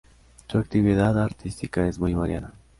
Su actividad artística es muy variada.